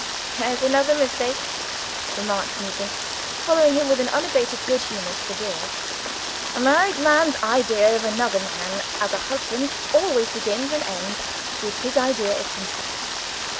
"There's another mistake!" remarked Nugent, following him with unabated good humour, to the door. "A married man's idea of another man as a husband, always begins and ends with his idea of himself."